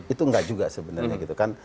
itu enggak juga sebenarnya gitu kan